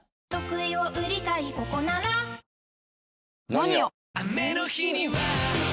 「ＮＯＮＩＯ」！